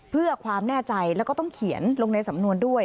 เพื่อความแน่ใจแล้วก็ต้องเขียนลงในสำนวนด้วย